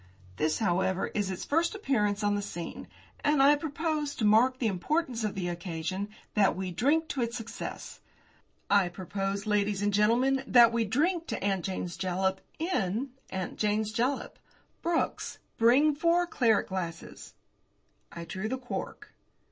This, however, is its first appearance on the scene, and I propose, to mark the importance of the occasion, that we drink to its success. I propose, ladies and gentlemen, that we drink to 'Aunt Jane's Jalap' in 'Aunt Jane's Jalap.' Brooks, bring four claret glasses." I drew the cork.